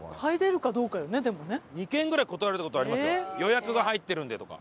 「予約が入ってるんで」とか。